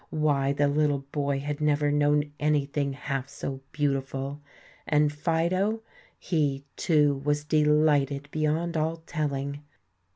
Why, the little boy had never known anything half so beautiful, and Fido, he, too, was delighted beyond all telling.